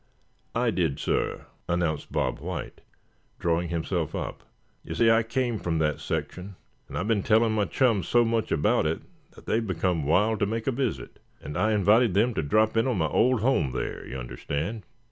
"I did, suh," announced Bob White, drawing himself up; "you see, I came from that section, and I've been telling my chums so much about it that they've become wild to make it a visit. And I invited them to drop in on my old home there, you understand.